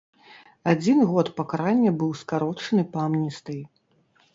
Адзін год пакарання быў скарочаны па амністыі.